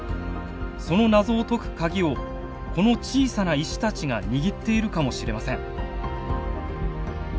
その謎を解くカギをこの小さな石たちが握っているかもしれません。